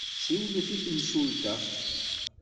Siwlet i temsulta.